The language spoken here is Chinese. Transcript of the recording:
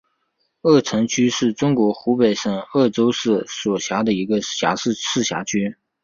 鄂城区是中国湖北省鄂州市所辖的一个市辖区。